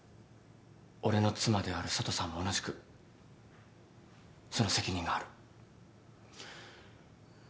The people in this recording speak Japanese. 俺の妻である佐都さんも同じくその責任がある。